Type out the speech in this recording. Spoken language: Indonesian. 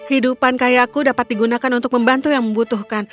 hidupan kayak aku dapat digunakan untuk membantu yang membutuhkan